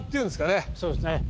そうですね。